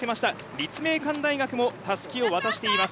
立命館大学もたすきを渡しています。